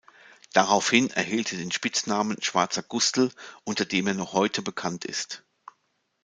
Daraufhin erhielt er den Spitznamen „schwarzer Gustl“, unter dem er noch heute bekannt ist.